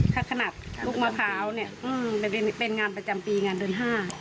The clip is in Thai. ถ้าขนาดลูกมะพร้าวเนี่ยเป็นงานประจำปีงานเดือน๕